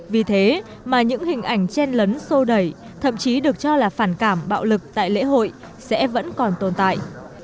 vì thế mà những hình ảnh chen lấn sô đẩy thậm chí được cho là phản cảm bạo lực tại lễ hội sẽ vẫn còn tồn tại